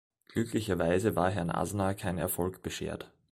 Glücklicherweise war Herrn Aznar kein Erfolg beschert.